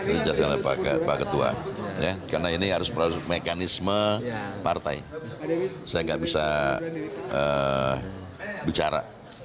ini jelas karena pak ketua karena ini harus mekanisme partai saya gak bisa bicara